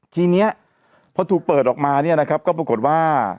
ทีนี้พอถูกเปิดออกมาก็ปรากฏว่า